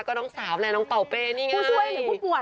ก็น้องสาวแหละน้องเป่าเปนี่ไง